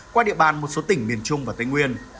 qua địa bàn một số tỉnh miền trung và tây nguyên